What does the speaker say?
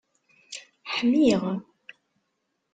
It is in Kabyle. Ḥmiɣ.